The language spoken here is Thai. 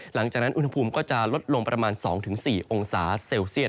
หลังจากนั้นอุณหภูมิก็จะลดลงประมาณ๒๔องศาเซลเซียต